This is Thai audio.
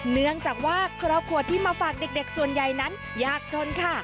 เนื่องจากว่าครอบครัวที่มาฝากเด็กส่วนใหญ่นั้นยากจนค่ะ